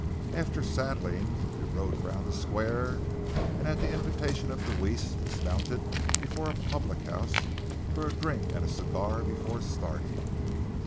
After saddling, we rode around the square, and at the invitation of Deweese dismounted before a public house for a drink and a cigar before starting.